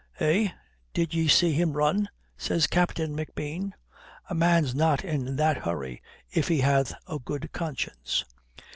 "'Eh, did ye see him run?' says Captain McBean. 'A man's not in that hurry if he hath a good conscience.